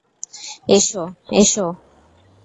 এসো, এসো!